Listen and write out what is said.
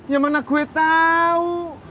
ya mana gue tau